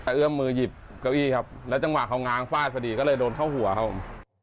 เอื้อมมือหยิบเก้าอี้ครับแล้วจังหวะเขาง้างฟาดพอดีก็เลยโดนเข้าหัวครับผม